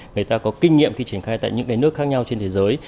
người ta có kinh nghiệm khi triển khai tại những nước khác nhau trên thế giới